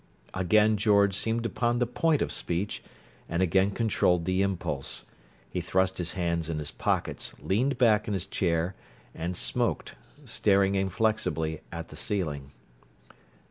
Again George seemed upon the point of speech, and again controlled the impulse. He thrust his hands in his pockets, leaned back in his chair, and smoked, staring inflexibly at the ceiling.